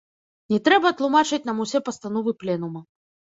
Не трэба тлумачыць нам усе пастановы пленума.